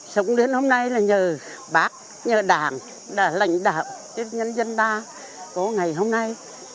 sống đến hôm nay là nhờ bác nhờ đảng lãnh đạo nhân dân đa có ngày hôm nay